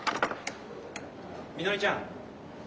みのりちゃん。